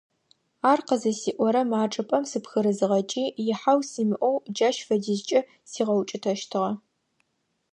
Ар къызысиӀорэм а чӀыпӀэм сыпхырызыгъэкӀи ихьау симыӀэу джащ фэдизкӀэ сигъэукӀытэщтыгъэ.